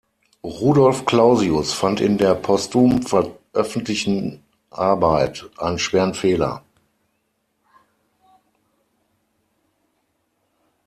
Rudolf Clausius fand in der postum veröffentlichten Arbeit einen schweren Fehler.